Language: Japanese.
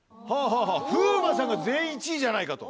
風磨さんが全員１位じゃないかと。